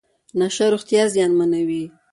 نشه روغتیا زیانمنوي .